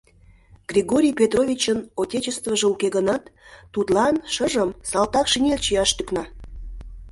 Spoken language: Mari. Григорий Петровичын «отечествыже» уке гынат, тудлан шыжым салтак шинель чияш тӱкна.